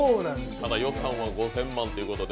予算は５０００万っていうことで。